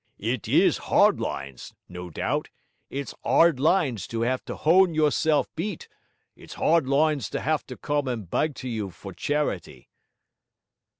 It IS 'ard lines, no doubt; it's 'ard lines to have to hown yourself beat; it's 'ard lines to 'ave to come and beg to you for charity.'